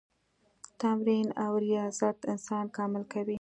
تمرین او ریاضت انسان کامل کوي.